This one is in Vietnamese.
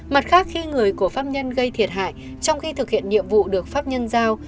mặt khác khi người của pháp nhân gây thiệt hại trong khi thực hiện nhiệm vụ được pháp nhân giao